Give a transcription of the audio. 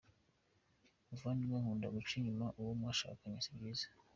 muvandimwe nkunda guca inyuma uwo mwashakanye sibyiza.